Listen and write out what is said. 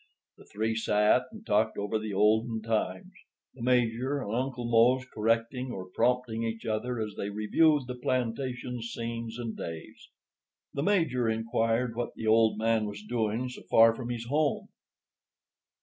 The three sat and talked over the olden times, the Major and Uncle Mose correcting or prompting each other as they reviewed the plantation scenes and days. The Major inquired what the old man was doing so far from his home.